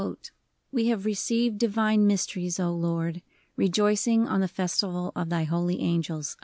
] We have received divine mysteries, O Lord, rejoicing on the Festival of thy Holy Angels.